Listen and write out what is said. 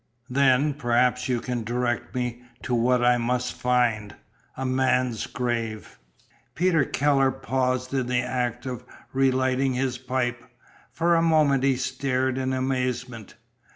"Then perhaps you can direct me to what I must find a man's grave." Peter Keller paused in the act of relighting his pipe. For a moment he stared in amazement.